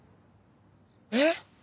えっ？